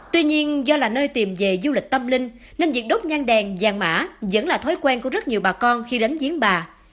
tuy nhiên do là nơi tìm về du lịch tâm linh nên việc đốt nhang đèn vàng mã vẫn là thói quen của rất nhiều bà con khi đến giếng bà